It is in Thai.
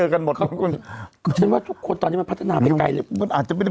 ขอเตือนว่าทุกคนตอนนี้มันพัฒนามันไปไกลเลย